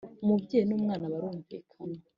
Umubyeyi n ‘umwana barumvikana.